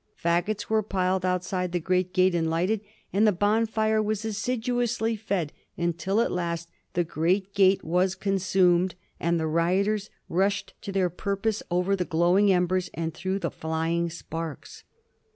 Fagots were piled out side the great gate and lighted, and the bonfire was as siduously fed until at last the great gate was consumed and the rioters rushed to their purpose over the glowing embers and through the flying sparks.